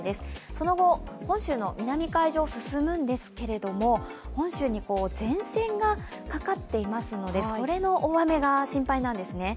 その後、本州の南海上を進むんですけど本州に前線がかかっていますのでそれの大雨が心配なんですね。